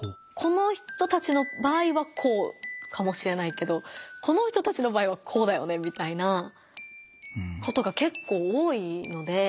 この人たちの場合はこうかもしれないけどこの人たちの場合はこうだよねみたいなことが結構多いので。